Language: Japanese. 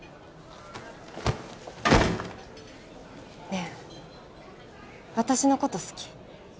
ねえ私の事好き？